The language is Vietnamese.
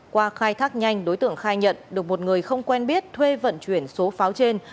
qua khai thác nhanh đối tượng khai nhận được một người không quen biết thuê vận chuyển số pháo trên